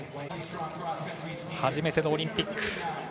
初めてのオリンピック。